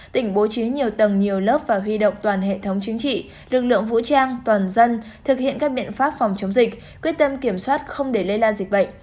tỉnh bố trí nhiều tầng nhiều lớp và huy động toàn hệ thống chính trị lực lượng vũ trang toàn dân thực hiện các biện pháp phòng chống dịch quyết tâm kiểm soát không để lây lan dịch bệnh